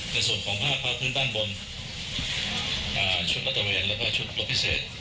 ในส่วนของผ้าผ้าพื้นด้านบนชุดรัฐเวย์และชุดรถพิเศษ